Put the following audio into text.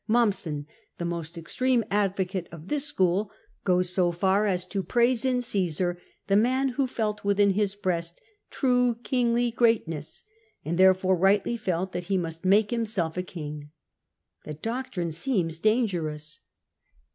Mommsen, the most extreme advo cate of this school, goes so far as to praise in Cmsar the man who felt within his breast ''true kingly greatness," and therefore rightly felt that he must make himself a king. The doctrine seems dangerous.